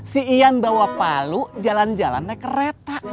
si ian bawa palu jalan jalan naik kereta